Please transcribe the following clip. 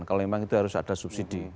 kalau memang itu harus ada subsidi